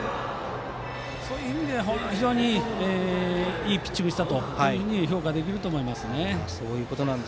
そういう意味では非常にいいピッチングをしたと評価できると思います。